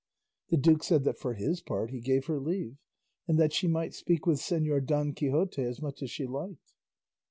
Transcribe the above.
The duke said that for his part he gave her leave, and that she might speak with Señor Don Quixote as much as she liked.